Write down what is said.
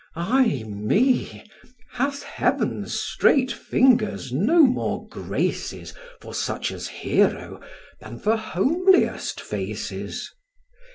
Ay me! hath heaven's strait fingers no more graces For such as Hero than for homeliest faces?